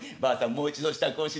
もう一度支度をしなさい。